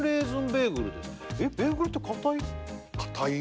ベーグルって硬い？